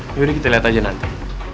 yuk kita lihat aja nanti